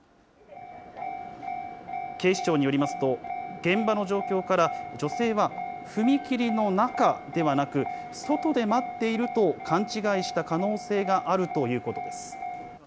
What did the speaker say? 警視庁によりますと、現場の状況から、女性は踏切の中ではなく、外で待っていると勘違いした可能性があるということです。